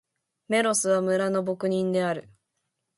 メロスは、村の牧人である。